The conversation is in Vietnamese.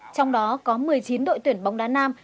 trong đó có một mươi chín đội tuyển bóng đá nam